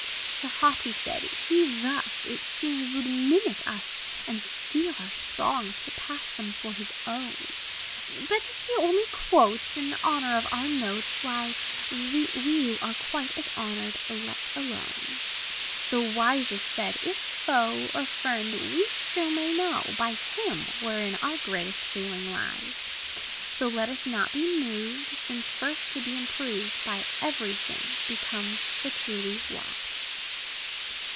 The haughty said, "He thus, It seems, would mimic us, And steal our songs, to pass them for his own! But if he only quotes In honor of our notes, We then were quite as honored, let alone." The wisest said, "If foe, Or friend, we still may know By him, wherein our greatest failing lies. So, let us not be moved, Since first to be improved By every thing, becomes the truly wise."